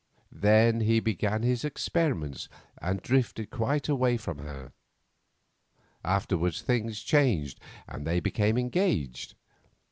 Then he began his experiments, and drifted quite away from her. Afterwards things changed, and they became engaged.